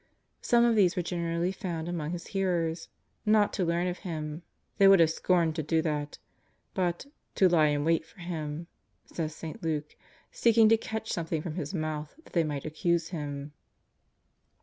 Some of these were generally found among His hearers, not to learn of Him — they would have scorned to do that — but " to lie in wait for Him," says St. Luke, ^' seeking to catch something from His mouth that they might accuse Him."